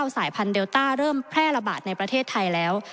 สายพันธุเดลต้าเริ่มแพร่ระบาดในประเทศไทยแล้ว